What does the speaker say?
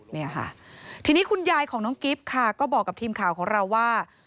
เนี่ยค่ะทีนี้คุณยายของน้องกิฟต์ค่ะก็บอกกับทีมข่าวของเราว่า